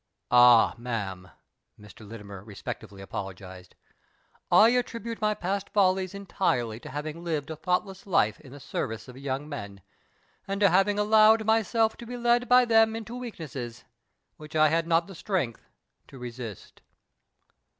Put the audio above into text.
" Ah, ma'am," Mr. Littimer respectably apologized, " I attribute my past follies entirely to having lived a thoughtless life in the service of young men ; and to having allowed myself to be led by them into weaknesses, which I had not the strength to resist."